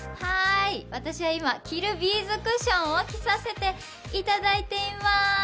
私は今この着るビーズクッションを着させていただいています。